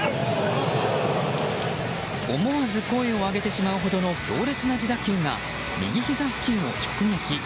思わず声を上げてしまうほどの強烈な自打球が右ひざ付近を直撃。